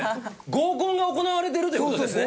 合コンが行われているという事ですね？